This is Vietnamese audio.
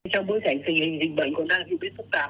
trong bối cảnh tình hình dịch bệnh còn đang bị phức tạp